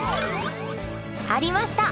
ありました！